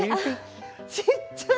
ちっちゃい！